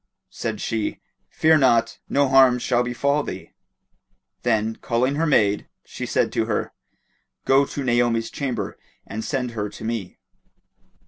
Said she, "Fear not: no harm shall befall thee;" then, calling her maid, she said to her, "Go to Naomi's chamber and send her to me."